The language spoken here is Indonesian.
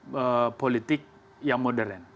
dan juga politik yang modern